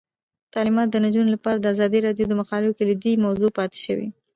تعلیمات د نجونو لپاره د ازادي راډیو د مقالو کلیدي موضوع پاتې شوی.